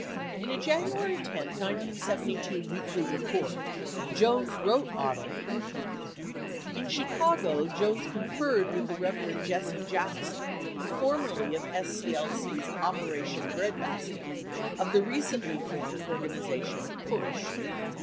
In a January 10, 1972, "Weekly Report," 83 Jones wrote Odle : In Chicago Jones conferred with the Reverend Jesse Jackson (formerly of S.C.L.C.'s Operation Breadbasket) of the recently formed organization PUSH.